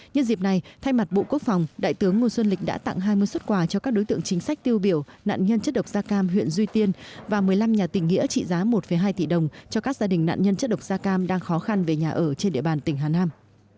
nhân dịp này thay mặt bộ quốc phòng đại tướng ngô xuân lịch đã tặng hai mươi xuất quà cho các đối tượng chính sách tiêu biểu nạn nhân chất độc da cam huyện duy tiên và một mươi năm nhà tỉnh nghĩa trị giá một hai tỷ đồng cho các gia đình nạn nhân chất độc da cam đang khó khăn về nhà ở trên địa bàn tỉnh hà nam